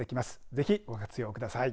ぜひご活用ください。